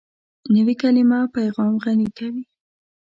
نوې کلیمه پیغام غني کوي